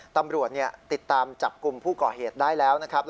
ตำรวจติดตามจับกลุ่มผู้ก่อเหตุได้แล้วนะครับ